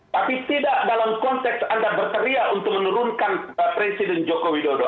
tapi tidak dalam konteks anda berteriak untuk menurunkan presiden joko widodo